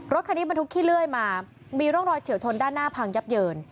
คันนี้บรรทุกขี้เลื่อยมามีร่องรอยเฉียวชนด้านหน้าพังยับเยิน